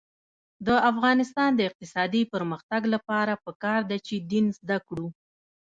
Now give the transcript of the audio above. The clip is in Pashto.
د افغانستان د اقتصادي پرمختګ لپاره پکار ده چې دین زده کړو.